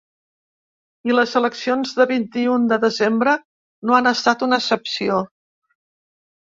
I les eleccions del vint-i-un de desembre no n’han estat una excepció.